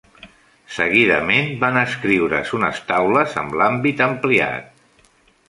Seguidament van escriure's unes taules amb l'àmbit ampliat.